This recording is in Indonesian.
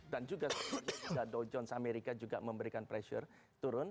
dan juga dado jones amerika juga memberikan pressure turun